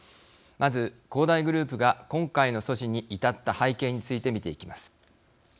まず恒大グループが今回の措置に至った背景について見ていきます。